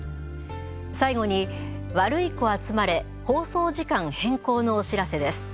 最後に「ワルイコあつまれ」放送時間変更のお知らせです。